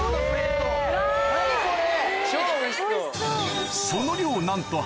・何これ！